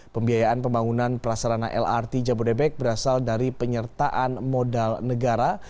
pembiayaan pembangunan prasarana lrt jabodebek berasal dari penyertaan modal negara